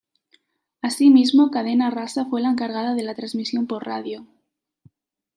Asimismo Cadena Rasa fue la encargada de la transmisión por radio.